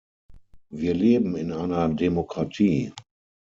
Wir leben in einer Demokratie.